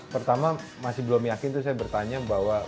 pertama masih belum yakin tuh saya bertanya bahwa